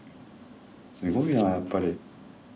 すごいなやっぱり。